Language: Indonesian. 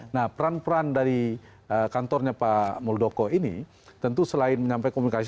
nah peran peran dari kantornya pak muldoko ini tentu selain menyampaikan komunikasi